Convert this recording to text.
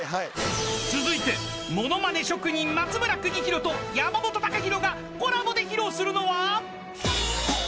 ［続いてものまね職人松村邦洋と山本高広がコラボで披露するのは］